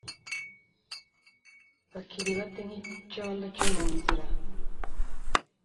bakiribate nk’icyondo cyo mu nzira.